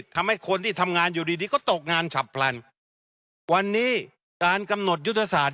ทำให้คนที่ทำงานอยู่ดีดีก็ตกงานฉับพลันวันนี้การกำหนดยุทธศาสต